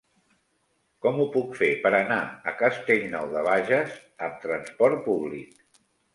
Com ho puc fer per anar a Castellnou de Bages amb trasport públic?